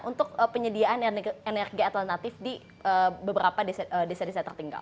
untuk penyediaan energi alternatif di beberapa desa desa tertinggal